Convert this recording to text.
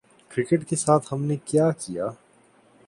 Cricket کے ساتھ ہم نے کیا کیا؟